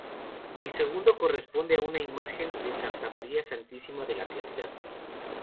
El segundo corresponde a una imagen de María Santísima de la Caridad.